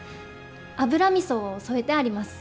油みそを添えてあります。